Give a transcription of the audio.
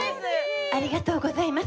ありがとうございます。